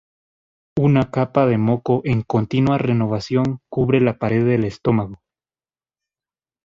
Una capa de moco en continua renovación cubre la pared del estómago.